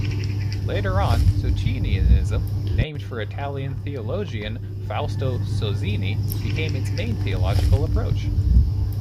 Later on, Socinianism, named for Italian theologian Fausto Sozzini, became its main theological approach.